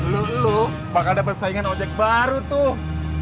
lu lu bakal dapat saingan ojek baru tuh